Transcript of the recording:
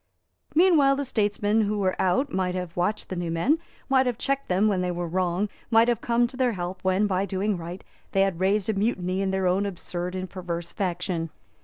Meanwhile the statesmen who were out might have watched the new men, might have checked them when they were wrong, might have come to their help when, by doing right, they had raised a mutiny in their own absurd and perverse faction.